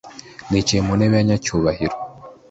nicaye mu ntebe yabanyacyubahiro